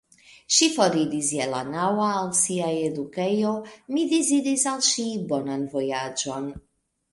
Ŝi foriris je la naŭa al sia edukejo; mi deziris al ŝi bonan vojaĝon.